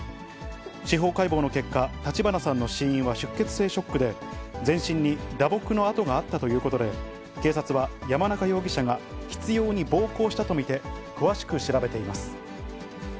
司法解剖の結果、立花さんの死因は出血性ショックで、全身に打撲の痕があったということで、警察は、山中容疑者が執ように暴行したと見て詳しく調べています。